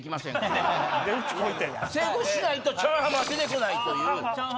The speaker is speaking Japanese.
成功しないとチャン浜は出てこないという。